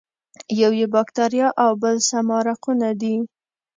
یو یې باکتریا او بل سمارقونه دي.